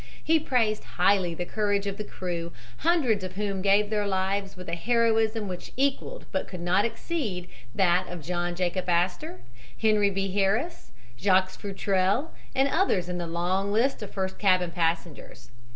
He praised highly the courage of the crew, hundreds of whom gave their lives with a heroism which equaled but could not exceed that of John Jacob Astor, Henry B. Harris, Jacques Futrelle and others in the long list of first cabin passengers.